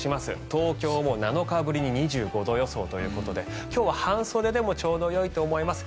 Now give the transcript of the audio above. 東京も７日ぶりに２５度予想ということで今日は半袖でもちょうどよいと思います。